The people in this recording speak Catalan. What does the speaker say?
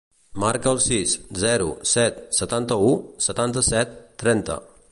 Marca el sis, zero, set, setanta-u, setanta-set, trenta.